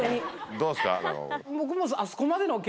どうですか、中岡。